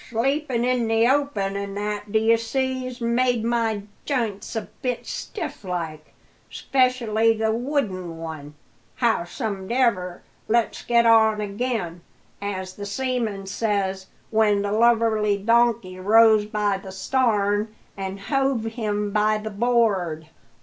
"Sleepin' in the open an' that, d'ye see, 's made my jints a bit stiff like 'specially the wooden one! Howsomedever, let's get on again as the seaman says when the lubberly donkey rose by the starn an' hove him by the board."